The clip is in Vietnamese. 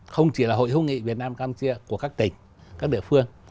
không chỉ là hội hữu nghị việt nam campuchia của các tỉnh các địa phương